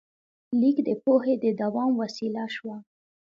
لیک د پوهې د دوام وسیله شوه.